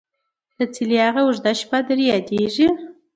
دڅيلې هغه او ژده شپه در ياديژي ?